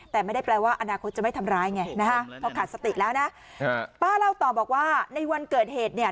แต่ไม่ได้แปลว่าอนาคตจะไม่ทำร้ายไงนะฮะพอขาดสติแล้วนะป้าเล่าต่อบอกว่าในวันเกิดเหตุเนี่ย